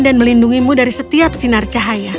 melindungimu dari setiap sinar cahaya